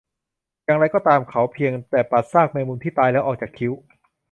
อย่างไรก็ตาม เขาเพียงแต่ปัดซากแมงมุมที่ตายแล้วออกจากคิ้ว